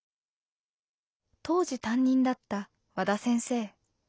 当時担任だった和田先生。